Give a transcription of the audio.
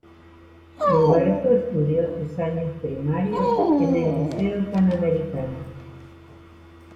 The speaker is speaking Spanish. Roberto estudió sus años primarios en el Liceo Panamericano.